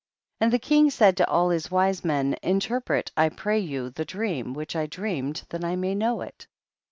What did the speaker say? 17. And the king said to all his wise men, interpret I pray you the dream which I dreamed, that I may know it.